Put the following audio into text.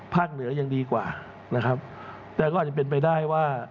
เหนือยังดีกว่านะครับแต่ก็อาจจะเป็นไปได้ว่า